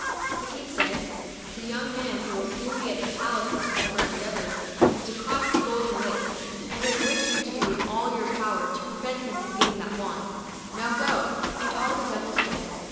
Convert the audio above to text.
The King said, " The young man, who will soon be at the palace in spite of our endeavors, is to cross the 6 Golden Lake ;' and I wish you to do all in your power to prevent him from getting the wand. Now go ;" and all the devils went.